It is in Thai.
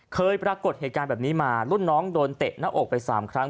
เคยปรากฏเหตุการณ์แบบนี้มารุ่นน้องโดนเตะหน้าอกไป๓ครั้ง